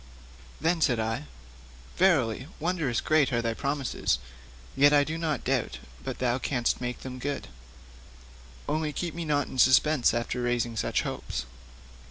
Then said I: 'Verily, wondrous great are thy promises; yet I do not doubt but thou canst make them good: only keep me not in suspense after raising such hopes.'